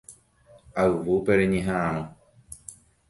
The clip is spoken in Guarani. Ayvúpe reñeha'ãrõ